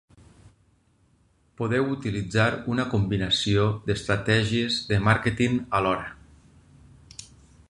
Podeu utilitzar una combinació d'estratègies de màrqueting alhora.